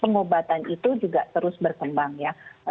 pengobatan itu juga terus berkembang ya